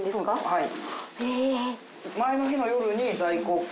・はい。